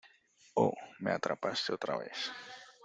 ¡ Oh! Me atrapaste otra vez.